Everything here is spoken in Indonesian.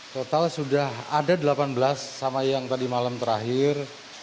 total sudah ada delapan belas sama yang tadi malam terakhir